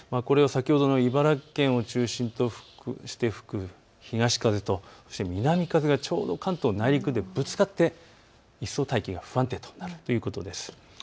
先ほどの茨城県を中心として吹く東風と南風がちょうど関東の内陸部でぶつかって大気が一層不安定になるということです。